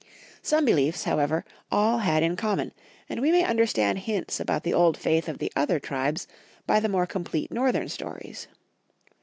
Some beliefs, however, all had in com mon, and we may understand hints about the old faith of the other tribes by the more complete northern stories.